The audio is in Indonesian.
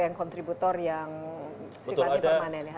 yang kontributor yang sifatnya permanen ya